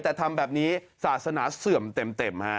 แต่ทำแบบนี้ศาสนาเสื่อมเต็มฮะ